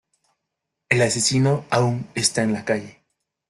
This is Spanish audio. El asesino aún está en la calle